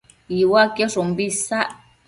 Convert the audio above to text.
Iuaquiosh umbi isac